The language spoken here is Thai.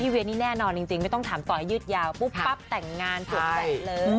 เวียนี่แน่นอนจริงไม่ต้องถามต่อให้ยืดยาวปุ๊บปั๊บแต่งงานสวดแดดเลย